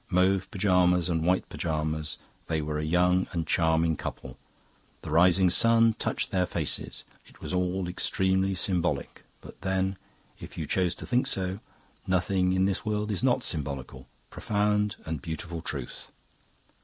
Mauve pyjamas and white pyjamas; they were a young and charming couple. The rising sun touched their faces. It was all extremely symbolic; but then, if you choose to think so, nothing in this world is not symbolical. Profound and beautiful truth!